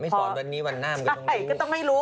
ไม่สอนวันนี้วันหน้ามันก็ต้องรู้